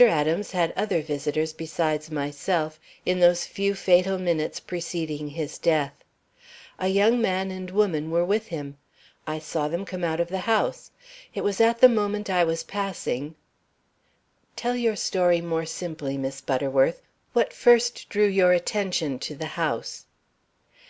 Adams had other visitors besides myself in those few fatal minutes preceding his death. A young man and woman were with him. I saw them come out of the house. It was at the moment I was passing " "Tell your story more simply, Miss Butterworth. What first drew your attention to the house?"